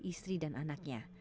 istri dan anaknya